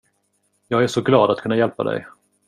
Jag är så glad att kunna hjälpa dig.